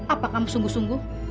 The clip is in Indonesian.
apa kamu sungguh sungguh